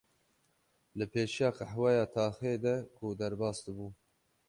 Li pêşiya qehweya taxê de ku derbas dibûm